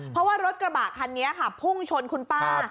เพราะว่ารถกระบะคันนี้ค่ะพุ่งชนคุณป้า